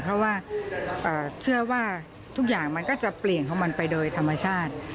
เพราะว่าเชื่อว่าทุกอย่างมันก็จะเปลี่ยนของมันไปโดยธรรมชาติ